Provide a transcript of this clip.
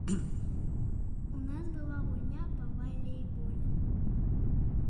У нас была гульня па валейболе.